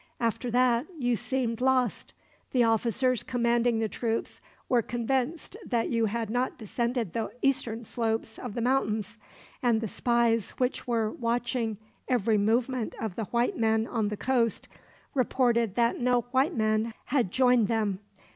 After that, you seemed lost. The officers commanding the troops were convinced that you had not descended the eastern slopes of the mountains; and the spies, which were watching every movement of the white men on the coast, reported that no white man had joined them.